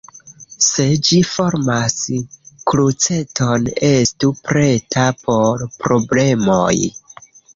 Se ĝi formas kruceton, estu preta por problemoj.